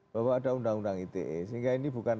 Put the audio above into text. bahwa ada undang undang ite sehingga ini bukan